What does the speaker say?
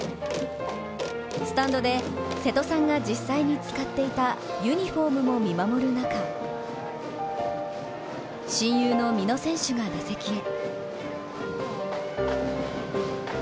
スタンドで瀬戸さんが実際に使っていたユニフォームも見守る中親友の美濃選手が打席へ。